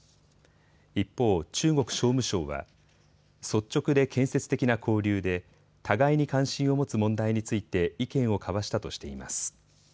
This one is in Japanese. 一方、中国商務省は率直で建設的な交流で互いに関心を持つ問題について意見を交わしたとしています。